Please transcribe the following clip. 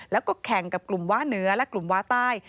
แล้วก็แข่งกับกลุ่มว้าเหนือและกลุ่มว้าใต้